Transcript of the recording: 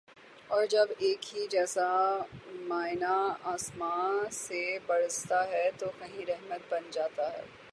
اور جب ایک ہی جیسا مینہ آسماں سے برستا ہے تو کہیں رحمت بن جاتا ہے